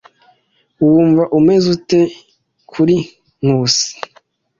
Wumva umeze ute kuri Nkusi?